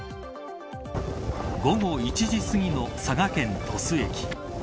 午後１時すぎの佐賀県鳥栖駅。